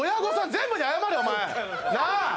全部に謝れお前なあ！